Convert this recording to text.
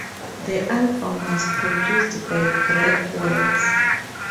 The album was produced by Greg Wells.